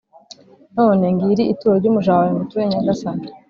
None ngiri ituro ry’umuja wawe ngutuye Nyagasani